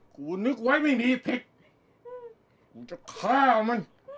กูนึกไว้ไม่มีผิดกูจะฆ่ามัน